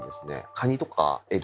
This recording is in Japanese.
カニとかエビ